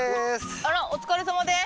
あらお疲れさまです。